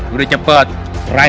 di takut deh